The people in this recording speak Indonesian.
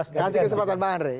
kasih kesempatan bang andre